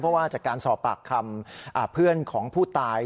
เพราะว่าจากการสอบปากคำเพื่อนของผู้ตาย